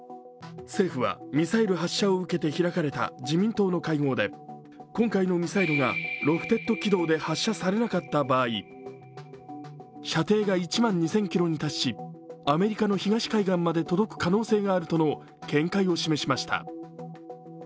政府はミサイル発射を受けて開かれた自民党の会合で今回のミサイルがロフテッド軌道で発射されなかった場合射程が１万２０００ｋｍに達し、アメリカの東海岸まで届く可能性があるとの見解を示しました。